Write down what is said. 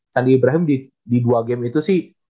sandi ibrahim di dua game itu sih